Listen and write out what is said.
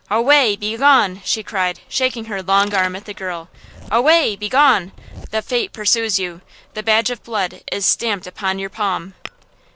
"Away! Begone!" she cried, shaking her long arm at the girl. "Away! Begone! The fate pursues you! The badge of blood is stamped upon your palm!"